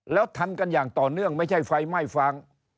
แล้วทำกันอย่างต่อเนื่องไม่ใช่ไฟไหม้ฟาง